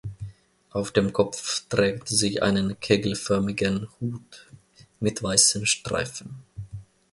Auf dem Kopf trägt sie einen kegelförmigen Hut mit weißen Streifen.